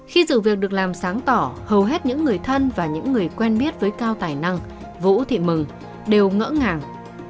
khi dự việc được làm sáng tỏ hầu hết những người thân và những người quen biết với cao tài năng vũ thị mừng đều ngỡ ngàng